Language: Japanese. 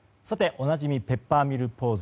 おなじみペッパーミルポーズ